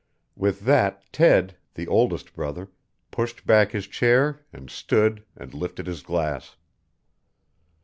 With that Ted, the oldest brother, pushed back his chair and stood and lifted his glass.